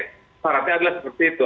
syaratnya adalah seperti itu